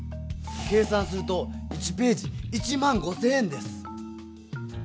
計算すると１ページ１５０００円です。